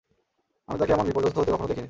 আমি তাকে এমন বিপর্যস্ত হতে কখনো দেখিনি।